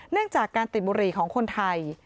เนื่องจากการติดบุหรี่ของคนไทย